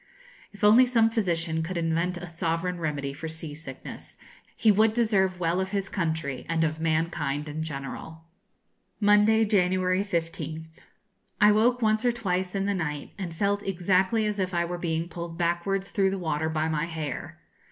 If only some physician could invent a sovereign remedy for sea sickness, he would deserve well of his country, and of mankind in general. Monday, January 15th. I woke once or twice in the night, and felt exactly as if I were being pulled backwards through the water by my hair.